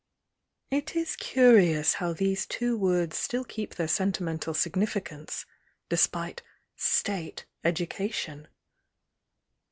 It is curious how these two words still keep their sentimental signifi cance, despite "state" education!